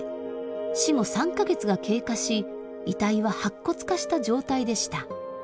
死後３か月が経過し遺体は白骨化した状態でした。